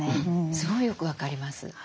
すごいよく分かります。